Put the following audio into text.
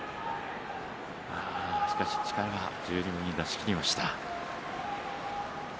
しかし力は十二分に出し切りました。